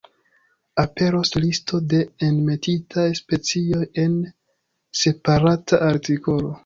Aperos listo de enmetitaj specioj en separata artikolo.